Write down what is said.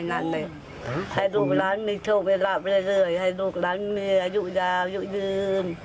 ให้ลูกหลานโชคไม่หลาบเรื่อยให้ลูกหลานมีอายุยาวอายุยืม